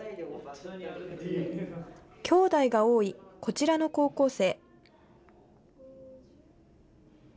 きょうだいが多いこちらの高校生。